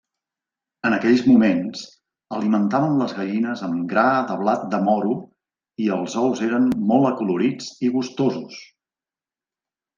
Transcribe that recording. En aquells moments alimentaven les gallines amb gra de blat de moro, i els ous eren molt acolorits i gustosos.